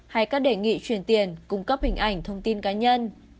hay các đề nghị truyền tiền cung cấp hình ảnh thông tin cá nhân